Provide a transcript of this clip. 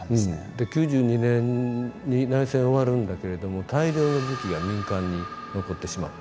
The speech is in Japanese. で９２年に内戦終わるんだけれども大量の武器が民間に残ってしまったっていう。